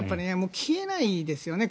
消えないですよね。